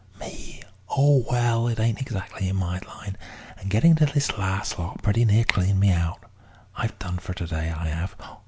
"Me? Oh, well, it ain't exactly in my line, and getting this last lot pretty near cleaned me out. I've done for to day, I 'ave.